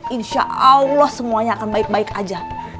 insya allah semuanya akan baik baik aja